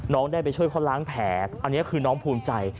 น้องได้ไปช่วยเขาล้างแผลอันนี้คือน้องภูมิใจ